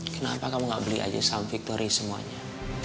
kenapa kamu gak beli aja sum victory semuanya